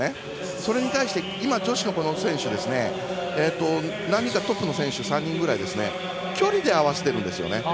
それに対して女子のこの選手は何人かトップの選手３人ぐらい距離で合わせているんですね。